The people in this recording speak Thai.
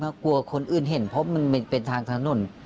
ก็กลัวคนอื่นเห็นเพราะมันเป็นทางถนน